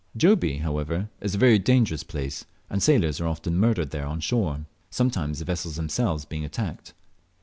Jobie, however, is a very dangerous place, and sailors are often murdered there when on shore; sometimes the vessels themselves being attacked.